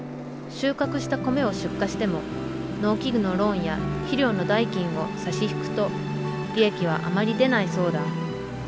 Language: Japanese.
収穫した米を出荷しても農機具のローンや肥料の代金を差し引くと利益はあまり出ないそうだ。